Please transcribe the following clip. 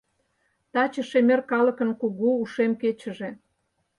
Таче шемер калыкын Кугу Ушем кечыже.